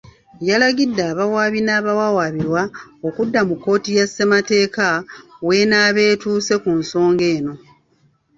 Yalagidde abawaabi n'abawawaabirwa okudda mu kkooti ya Ssemateeka w'enaaba etuuse ku nsonga eno.